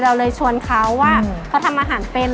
เราเลยชวนเขาว่าเขาทำอาหารเป็น